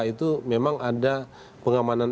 itu memang ada pengamanan